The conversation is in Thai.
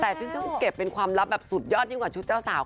แต่ซึ่งต้องเก็บเป็นความลับแบบสุดยอดยิ่งกว่าชุดเจ้าสาว